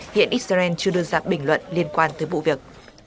hiện israel chưa đưa ra bình luận liên quan tới vụ việc